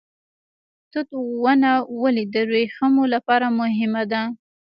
توت ونه ولې د وریښمو لپاره مهمه ده؟